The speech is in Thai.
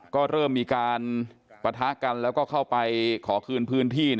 ก็เริ่มมีการปะทะกันแล้วก็เข้าไปขอคืนพื้นที่